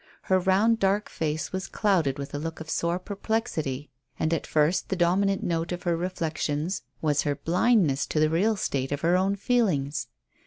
Her round dark face was clouded with a look of sore perplexity, and at first the dominant note of her reflections was her blindness to the real state of her own feelings.